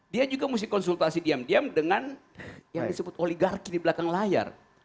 dia juga mesti konsultasi diam diam dengan yang disebut oligarki di belakang layar